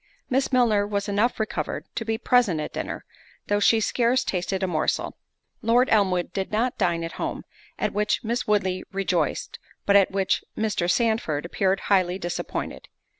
Miss Milner was enough recovered to be present at dinner, though she scarce tasted a morsel. Lord Elmwood did not dine at home, at which Miss Woodley rejoiced, but at which Mr. Sandford appeared highly disappointed.